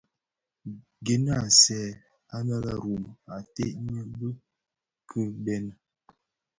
Gèni a nsèè anë le Rum ated ňyi bi kibeni.